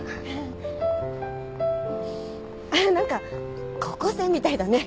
何か高校生みたいだね。